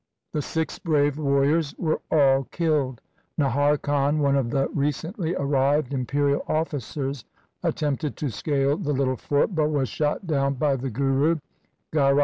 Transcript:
The six brave warriors were all killed. Nahar Khan, one of the recently arrived imperial officers, attempted to scale the little fort, but was shot down by the Guru.